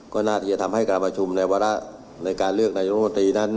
ก็น่าที่จะทำให้การประชุมในวาระในการเลือกนายกรมนตรีนั้น